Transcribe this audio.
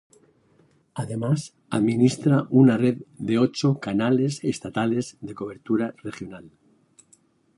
Además, administra una red de ocho canales estatales de cobertura regional.